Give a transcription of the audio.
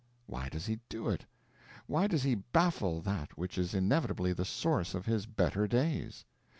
Why does he do it? Why does he baffle that which is inevitably the source of his better days?